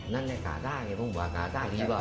นั่นแหละกระดาษไงผมว่ากระดาษดีป่ะ